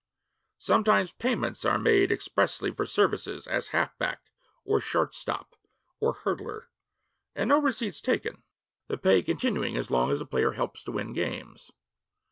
Sometimes payments are made expressly for services as half back, or short stop, or hurdler, and no receipts taken, the pay continuing as long as the player helps to win games.